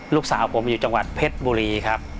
ลูกสาวผมอยู่จังหวัดเพชรบุรีครับ